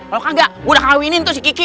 kalau gak gue udah kawinin tuh si kiki